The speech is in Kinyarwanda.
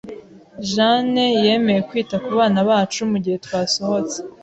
Jane yemeye kwita kubana bacu mugihe twasohotse.